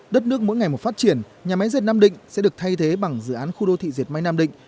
đất nước mỗi ngày một phát triển nhà máy dệt nam định sẽ được thay thế bằng dự án khu đô thị dệt may nam định